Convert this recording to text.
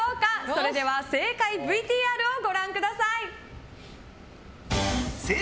それでは正解ＶＴＲをご覧ください。